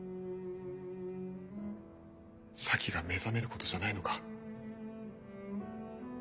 咲が目覚めることじゃないのか？